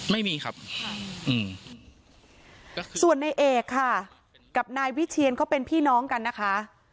ไม่มีครับค่ะอืมส่วนในเอกค่ะกับนายวิเชียนเขาเป็นพี่น้องกันนะคะ